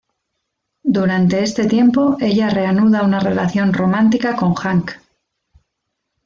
Durante este tiempo, ella reanuda una relación romántica con Hank.